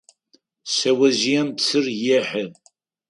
Шъэожъыем псыр ехьы.